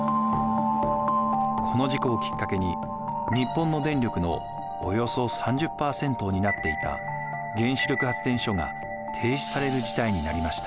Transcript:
この事故をきっかけに日本の電力のおよそ３０％を担っていた原子力発電所が停止される事態になりました。